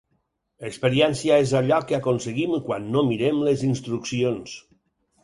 Experiència és allò que aconseguim quan no mirem les instruccions.